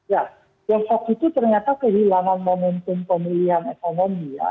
ya tiongkok itu ternyata kehilangan momentum pemulihan ekonomi ya